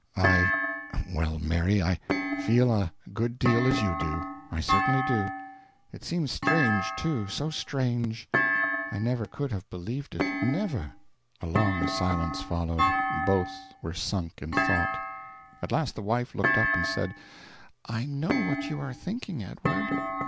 "I Well, Mary, I feel a good deal as you do: I certainly do. It seems strange, too, so strange. I never could have believed it never." A long silence followed; both were sunk in thought. At last the wife looked up and said: "I know what you are thinking, Edward."